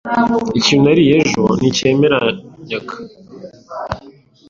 Ikintu nariye ejo nticyemeranyaga.